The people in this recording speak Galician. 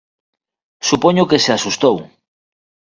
Supoño que se asustou.